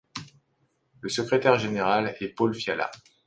Le secrétaire général est Paul Fiala.